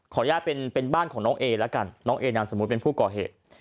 อนุญาตเป็นบ้านของน้องเอละกันน้องเอนามสมมุติเป็นผู้ก่อเหตุ